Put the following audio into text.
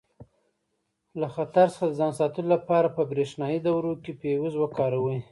له خطر څخه د ځان ساتلو لپاره په برېښنایي دورو کې فیوز وکاروئ.